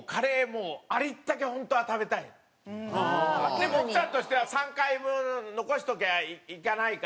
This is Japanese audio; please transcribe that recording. でも奥さんとしては３回分残しとかなきゃいけないから。